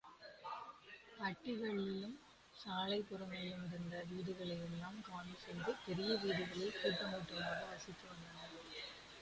பட்டிகளிலும் சாலைப்புறங்களிலும் இருந்த படைவீடுகளையெல்லாம் காலிசெய்து பெரிய படைவீடுகளில் கூட்டங்கூட்டமாக வசித்து வந்தனர்.